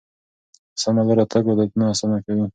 په سمه لاره تګ عادتونه اسانه کوي.